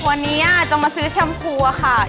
วันนี้จะมาซื้อแชมพูอะค่ะ